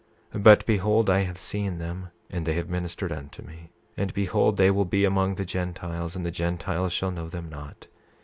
28:26 But behold, I have seen them, and they have ministered unto me. 28:27 And behold they will be among the Gentiles, and the Gentiles shall know them not.